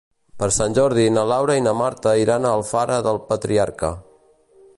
Per Sant Jordi na Laura i na Marta iran a Alfara del Patriarca.